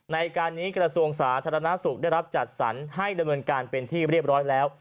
ในการนี้กระทรวงสาธารณสุขได้รับจัดสรรให้ดำเนินการเป็นที่เรียบร้อยแล้ว